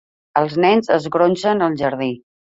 Els nens es gronxen al jardí.